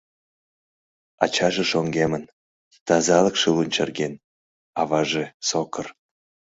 Ачаже шоҥгемын, тазалыкше лунчырген, аваже — сокыр.